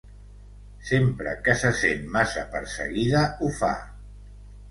Sempre que se sent massa perseguida ho fa.